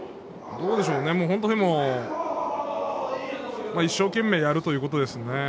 どうでしょうね、本当にもう一生懸命やるということですね。